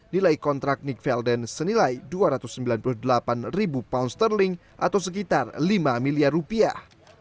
nilai kontrak nick velden senilai dua ratus sembilan puluh delapan ribu pound sterling atau sekitar lima miliar rupiah